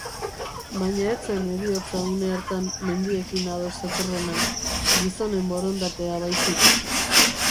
Baina ez zen heriotza une hartan mendiekin ados zetorrena, gizonen borondatea baizik.